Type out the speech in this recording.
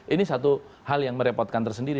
ini satu hal yang merepotkan tersendiri